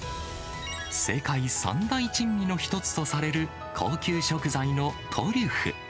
世界三大珍味の一つとされる高級食材のトリュフ。